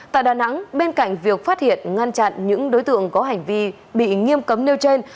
tại đà nẵng bên cạnh việc phát hiện ngăn chặn những đối tượng có hành vi bị nghiêm cấm nêu trên